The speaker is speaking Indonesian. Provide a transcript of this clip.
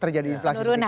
terjadi inflasi sedikit ya